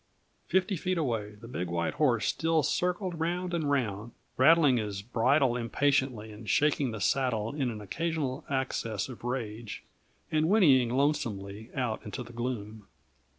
Fifty feet away the big white horse still circled round and round, rattling his bridle impatiently and shaking the saddle in an occasional access of rage, and whinnying lonesomely out into the gloom.